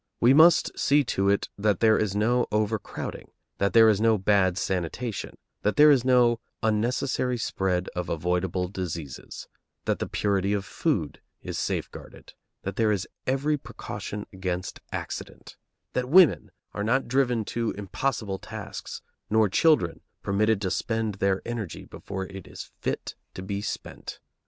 We must see to it that there is no over crowding, that there is no bad sanitation, that there is no unnecessary spread of avoidable diseases, that the purity of food is safeguarded, that there is every precaution against accident, that women are not driven to impossible tasks, nor children permitted to spend their energy before it is fit to be spent.